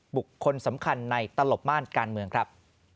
บุคคลสำคัญในตลบม่านการเมืองครับ